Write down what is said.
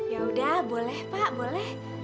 yaudah boleh pak boleh